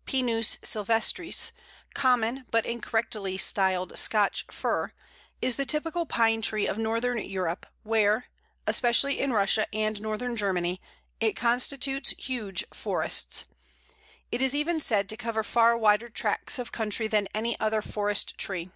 ] [Illustration: Pl. 79. Bole of Scots Pine.] The Scots Pine (Pinus sylvestris), commonly but incorrectly styled Scotch Fir, is the typical Pine tree of Northern Europe, where (especially in Russia and Northern Germany) it constitutes huge forests. It is even said to cover far wider tracts of country than any other forest tree.